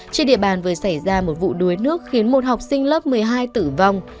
trên địa bàn vừa xảy ra một vụ đuối nước khiến một học sinh lớp một mươi hai tử vong